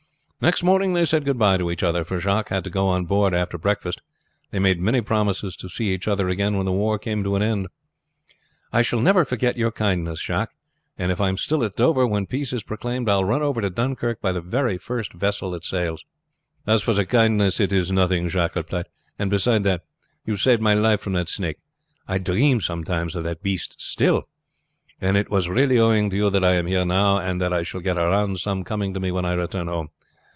Next morning they said good by to each other, for Jacques had to go on board after breakfast. They made many promises to see each other again when the war came to an end. "I shall never forget your kindness, Jacques; and if I am still at Dover when peace is proclaimed I will run over to Dunkirk by the very first vessel that sails." "As for the kindness, it is nothing," Jacques replied; "and beside that, you saved my life from that snake. I dream sometimes of the beast still. And it was really owing to you that I am here now, and that I shall get a round sum coming to me when I return home.